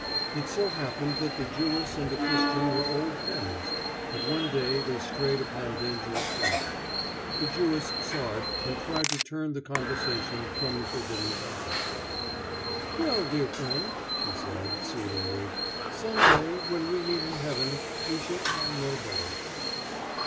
It so happened that the Jewess and the Christian were old friends. But one day they strayed upon dangerous ground. The Jewess saw it and tried to turn the conversation from the forbidden topic. "Well, dear friend," she said, soothingly, "some day, when we meet in heaven, we shall all know better."